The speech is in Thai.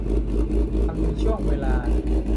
มันมีช่วงเวลา